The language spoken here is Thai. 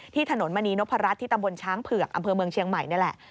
ถนนมณีนพรัชที่ตำบลช้างเผือกอำเภอเมืองเชียงใหม่นี่แหละ